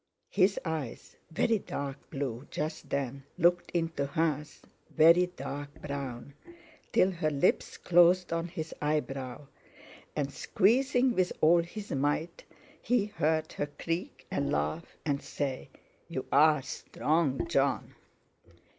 His eyes, very dark blue just then, looked into hers, very dark brown, till her lips closed on his eyebrow, and, squeezing with all his might, he heard her creak and laugh, and say: "You are strong, Jon!"